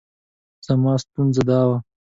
زما ستونزه دا وه.